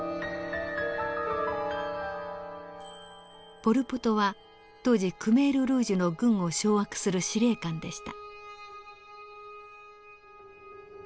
ポル・ポトは当時クメール・ルージュの軍を掌握する司令官でした。